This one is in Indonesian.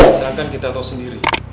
misalkan kita tahu sendiri